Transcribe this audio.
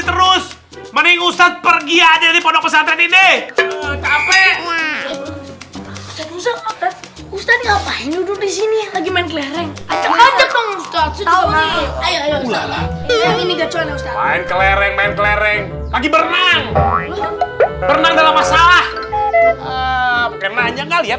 terus lihat aja ya pergi dari pondok pesantren baru tahu kalian